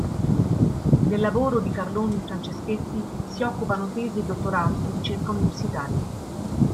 Del lavoro di Carloni-Franceschetti si occupano tesi e dottorati di ricerca universitari.